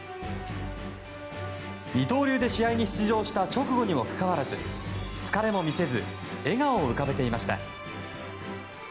二刀流で試合に出場した直後にもかかわらず疲れも見せず笑顔を浮かべていました。